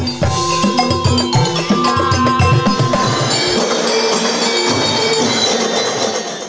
ketika musik patrol ini sudah berjalan kelihatan seperti musik yang sudah berjalan